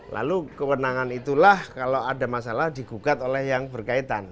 lalu kewenangan itulah kalau ada masalah digugat oleh yang berkaitan